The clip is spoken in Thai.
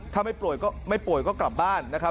ถ้าไม่ป่วยก็เขากลับบ้านนะครับ